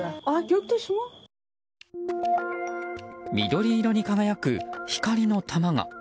緑色に輝く光の球が。